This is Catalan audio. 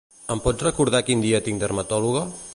Em pots recordar quin dia tinc dermatòloga?